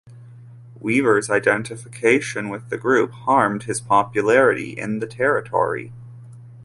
Weaver's identification with the group harmed his popularity in the territory.